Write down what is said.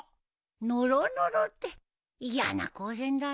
ノロノロって嫌な光線だね。